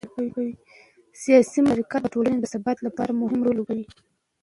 سیاسي مشارکت د ټولنې د ثبات لپاره مهم رول لوبوي